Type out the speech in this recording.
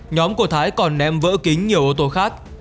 nhóm của thái còn ném vỡ kính nhiều ô tô khác